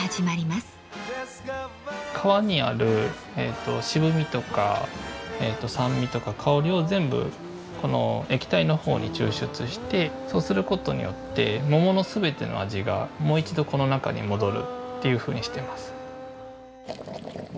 皮にある渋みとか酸味とか香りを全部この液体の方に抽出してそうすることによって桃の全ての味がもう一度この中に戻るというふうにしてます。